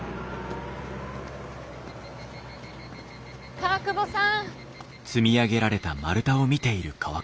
川久保さん。